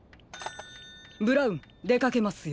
ブラウンでかけますよ。